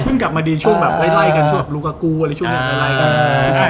เพิ่งกลับมาดีช่วงไล่กันช่วงลูกกากูอะไรช่วงนี้